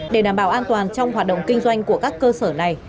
để đảm bảo an toàn trong hoạt động kinh doanh của các cơ sở này